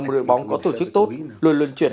một đội bóng có tổ chức tốt luôn luân chuyển